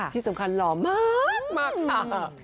ที่สำคัญหล่อมากค่ะ